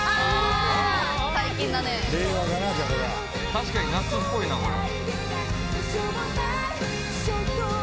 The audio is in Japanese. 確かに夏っぽいなこれ。